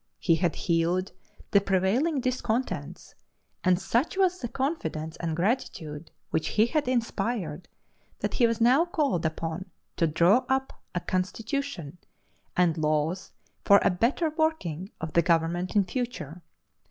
He had healed the prevailing discontents; and such was the confidence and gratitude which he had inspired, that he was now called upon to draw up a constitution and laws for the better working of the government in future.